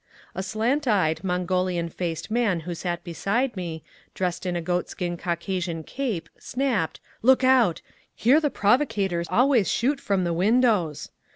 A slant eyed, Mongolian faced man who sat beside me, dressed in a goat skin Caucasian cape, snapped, "Look out! Here the provocators always shoot from the windows!"